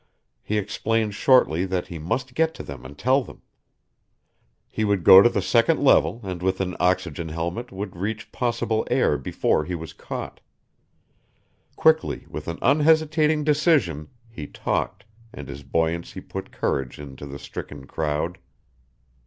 He explained shortly that he must get to them and tell them. He would go to the second level and with an oxygen helmet would reach possible air before he was caught. Quickly, with an unhesitating decision, he talked, and his buoyancy put courage in to the stricken crowd.